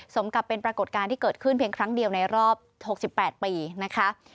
สมกับเป็นปรากฏการณ์ที่เกิดขึ้นเพียงครั้งเดียวในรอบ๖๘ปีนะคะ